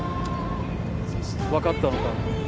分かったのか？